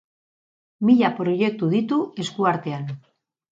Mila proiektu ditu esku artean.